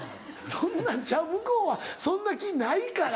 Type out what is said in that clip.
そんなんちゃう向こうはそんな気ないから。